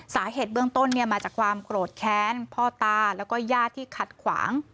สาเหตุเบื้องต้นเนี่ยมาจากความโกรธแค้นพ่อตาแล้วก็ญาติที่ขัดขวาง